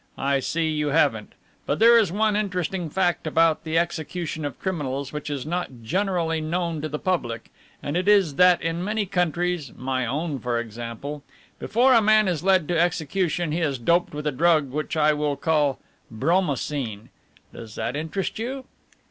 I see you haven't; but there is one interesting fact about the execution of criminals which is not generally known to the public, and it is that in many countries, my own for example, before a man is led to execution he is doped with a drug which I will call 'Bromocine.' Does that interest you?"